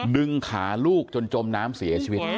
ดึงขาลูกจนจมน้ำเสียชีวิต